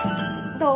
どう？